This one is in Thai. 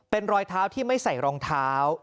เป็นรอยเท้าที่ไม่ใส่รองเท้า